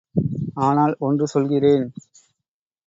ஆனால் ஒன்று சொல்கிறேன்.